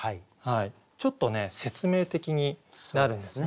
ちょっとね説明的になるんですよね。